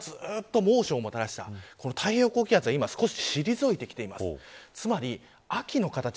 動きが速いのは、夏の間ずっと猛暑をもたらした太平洋高気圧が少しひいてきています。